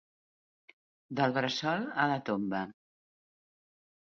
Del bressol a la tomba.